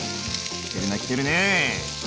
きてるねきてるね！